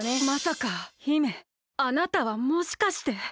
まさか姫あなたはもしかして。